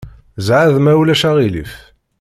Zɛeḍ, ma ulac aɣilif.